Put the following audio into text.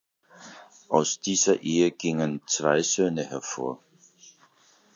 Aus dieser Ehe gingen zwei Söhne hervor.